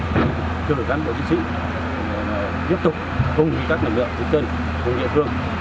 trực tiếp với cán bộ chiến sĩ tiếp tục cùng với các lực lượng đứng chân cùng với địa phương